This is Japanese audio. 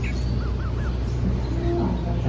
何で他人のあんたに。